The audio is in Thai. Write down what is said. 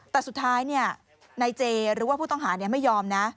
แต่สุดท้ายนายเจหรือว่าผู้ต้องหาไม่ยอมนะ